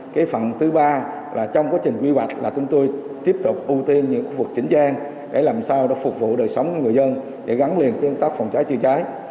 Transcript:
cái phần thứ ba là trong quá trình quy hoạch là chúng tôi tiếp tục ưu tiên những khu vực chỉnh trang để làm sao để phục vụ đời sống của người dân để gắn liền với công tác phòng cháy chữa cháy